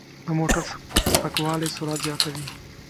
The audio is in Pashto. د موټر سپکوالی سرعت زیاتوي.